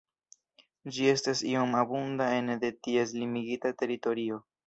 Ĝi estas iom abunda ene de ties limigita teritorio.